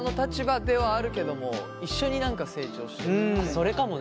それかもね。